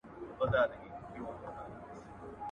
• چي کرې، هغه به رېبې.